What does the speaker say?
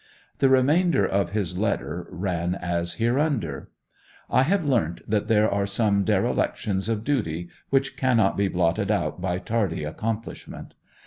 The remainder of his letter ran as hereunder:— 'I have learnt that there are some derelictions of duty which cannot be blotted out by tardy accomplishment.